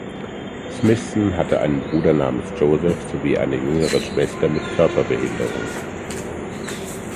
Smithson hatte einen Bruder namens Joseph sowie eine jüngere Schwester mit Körperbehinderung.